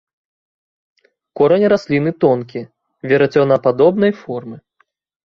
Корань расліны тонкі, верацёнападобнай формы.